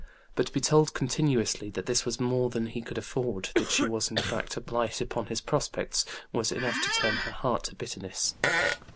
But to be told continuously that this was more than he could afford, that she was in fact a blight upon his prospects, was enough to turn her heart to bitterness.